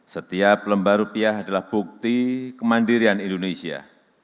setiap lembah rupiah adalah bukti kemandirian indonesia